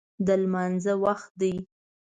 د لمانځه وخت دی